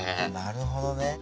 なるほどね。